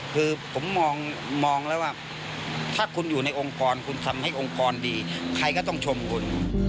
คือผมมองแล้วว่าถ้าคุณอยู่ในองค์กรคุณทำให้องค์กรดีใครก็ต้องชมคุณ